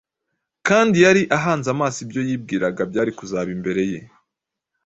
kandi yari ahanze amaso ibyo yibwiraga byari kuzaba imbere ye.